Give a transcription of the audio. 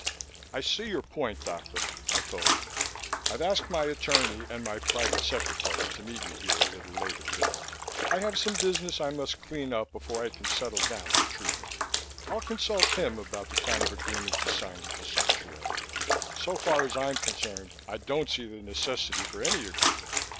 "I see your point, doctor," I told him. "I've asked my attorney and my private secretary to meet me here a little later today. I have some business I must clean up before I can settle down for treatment. I'll consult him about the kind of agreement to sign with the Sanctuary. So far as I'm concerned, I don't see the necessity for any agreement.